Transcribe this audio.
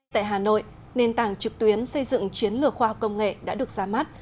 tại hà nội nền tảng trực tuyến xây dựng chiến lược khoa học công nghệ đã được ra mắt